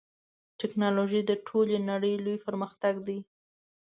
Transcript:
ټکنالوژي د ټولې نړۍ لوی پرمختګ دی.